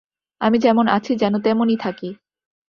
আমি যেমন আছি, যেন তেমনই থাকি।